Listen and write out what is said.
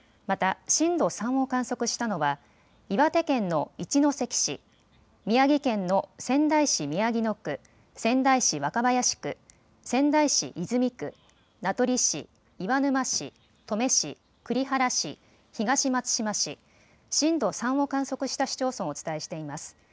また震度３を観測したのは岩手県の一関市、宮城県の仙台市宮城野区仙台市若林区、仙台市泉区、名取市、岩沼市、登米市、栗原市、東松島市、震度３を観測した市町村をお伝えしています。